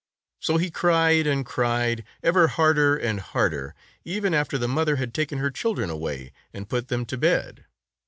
So he cried and cried, ever harder and harder, even after the mother had taken her children away and put them to bed.